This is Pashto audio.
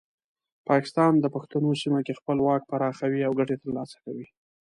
پاکستان د پښتنو سیمه کې خپل واک پراخوي او ګټې ترلاسه کوي.